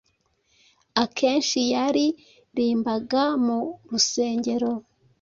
Akenshi yaririmbaga mu rusengero